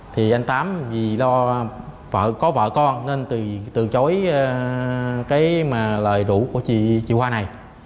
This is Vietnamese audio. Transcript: thì anh tám vì có vợ con nên từ chối lời đủ của chị khoa này